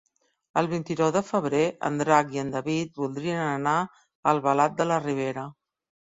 El vint-i-nou de febrer en Drac i en David voldrien anar a Albalat de la Ribera.